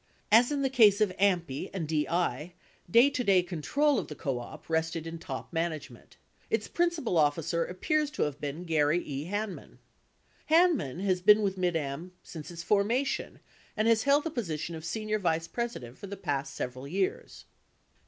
As in the case of AMPI and DI, day to day control of the co op rested in top management. Its principal officer appears to have been Gary E. Hanman. 20 Hanman has been with Mid Am since its formation and has held the position of senior vice president for the past several years.